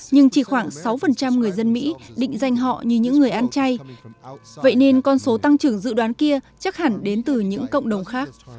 nhưng chỉ khoảng sáu người dân mỹ định danh họ như những người ăn chay vậy nên con số tăng trưởng dự đoán kia chắc hẳn đến từ những cộng đồng khác